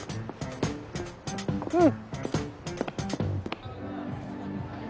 うん！